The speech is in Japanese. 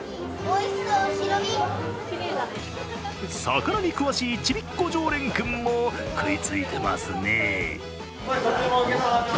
魚に詳しいちびっこ常連君も食いついてますね。